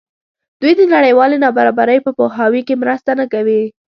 دوی د نړیوالې نابرابرۍ په پوهاوي کې مرسته نه کوي.